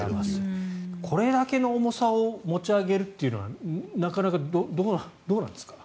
これだけの重さを持ち上げるのはなかなかどうなんですかね。